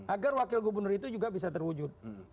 agar wakil gubernur itu juga bisa terwujud